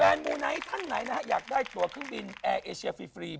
มูไนท์ท่านไหนนะฮะอยากได้ตัวเครื่องบินแอร์เอเชียฟรี